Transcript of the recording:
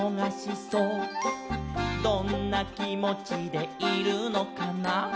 「どんなきもちでいるのかな」